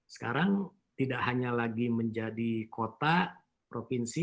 sekarang tidak hanya lagi menjadi kota provinsi